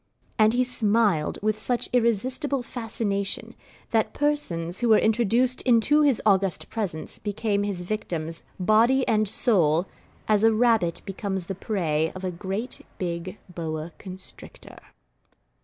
And he smiled with such irresistible fascination, that persons who were introduced into his august presence became his victims, body and soul, as a rabbit becomes the prey of a great big boa constrictor.